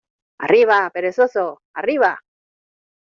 ¡ arriba, perezoso!... ¡ arriba !